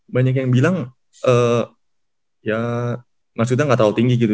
banyak yang bilang ya maksudnya nggak terlalu tinggi gitu